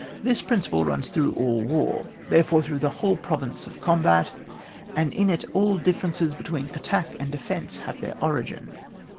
This principle runs through all war, therefore through the whole pro vince of combat, and in it all difiPerences between attack and defence have their origin.